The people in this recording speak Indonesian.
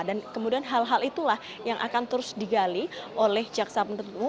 dan kemudian hal hal itulah yang akan terus digali oleh jaksa penutut umum